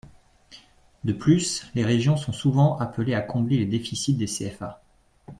De plus, les régions sont souvent appelées à combler les déficits des CFA.